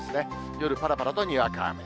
夜、ぱらぱらとにわか雨。